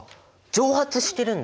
蒸発してるんだ！